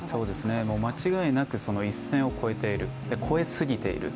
間違いなく一戦を越えている、越えすぎている。